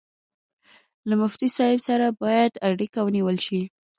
له مفتي صاحب سره باید اړیکه ونیول شي.